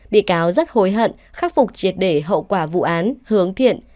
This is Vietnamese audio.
bị cáo rất hối hận khắc phục triệt để hậu quả vụ án hướng thiện